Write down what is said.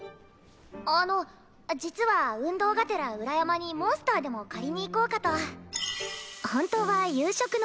あの実は運動がてら裏山にモンスターでも狩りに行こうかと。